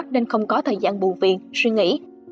nên không có thời gian bù viện suy nghĩ